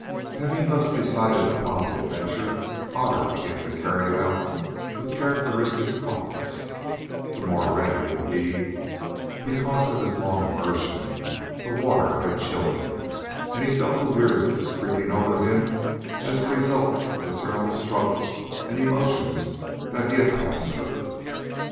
Having decided upon the adventure, Otter began to carry it out with characteristic promptness, the more readily, indeed, because his long immersion in the water had chilled him, and he felt a weariness creeping over him as a result of the terrible struggle and emotions that he had passed through.